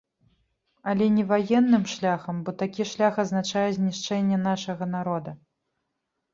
Але не ваенным шляхам, бо такі шлях азначае знішчэнне нашага народа.